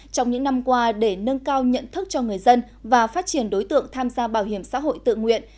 trong những năm qua để nâng cao nhận thức cho người dân và phát triển đối tượng tham gia bảo hiểm xã hội tự nguyện